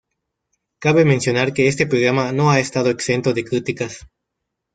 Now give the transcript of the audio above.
Cabe mencionar que este programa no ha estado exento de críticas.